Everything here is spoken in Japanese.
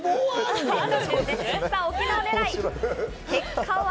結果は。